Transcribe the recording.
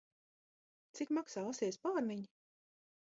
Cik maksā asie spārniņi?